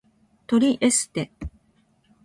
トリエステ